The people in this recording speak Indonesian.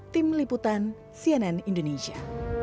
tim liputan cnn indonesia